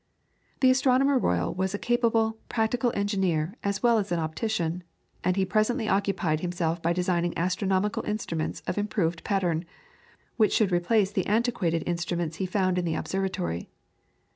The Astronomer Royal was a capable, practical engineer as well as an optician, and he presently occupied himself by designing astronomical instruments of improved pattern, which should replace the antiquated instruments he found in the observatory.